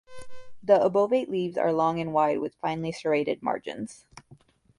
The obovate leaves are long and wide with finely serrated margins.